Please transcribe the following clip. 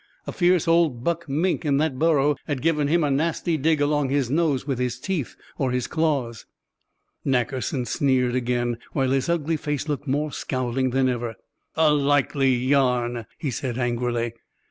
A fierce old buck mink in that burrow had given him a nasty dig along his nose with his teeth or his claws." Nackerson sneered again, while his ugly face looked more scowling than ever. "A likely yarn," he said angrily.